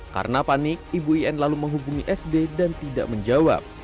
karena panik ibu in lalu menghubungi sd dan tidak menjawab